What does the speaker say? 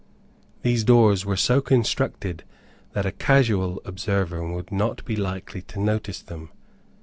These doors were so constructed, that a casual observer would not be likely to notice them.